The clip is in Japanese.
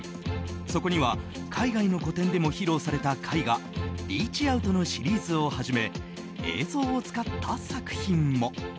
そこには海外の個展でも披露された絵画「ＲＥＡＣＨＯＵＴ」のシリーズをはじめ映像を使った作品も。